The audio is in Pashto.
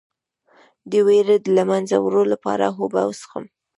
د ویرې د له منځه وړلو لپاره اوبه وڅښئ